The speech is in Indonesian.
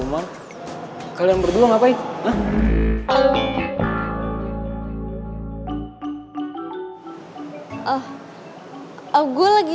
sampai jumpa lagi